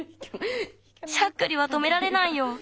しゃっくりはとめられないよ。